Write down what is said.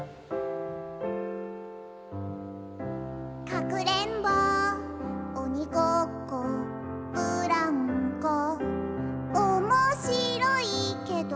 「かくれんぼおにごっこブランコ」「おもしろいけど」